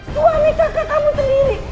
suami kakak kamu sendiri